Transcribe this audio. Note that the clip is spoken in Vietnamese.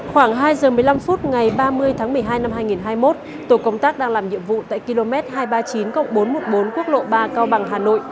khoảng hai giờ một mươi năm phút ngày ba mươi tháng một mươi hai năm hai nghìn hai mươi một tổ công tác đang làm nhiệm vụ tại km hai trăm ba mươi chín bốn trăm một mươi bốn quốc lộ ba cao bằng hà nội